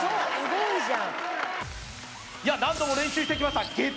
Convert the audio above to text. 何度も練習してきました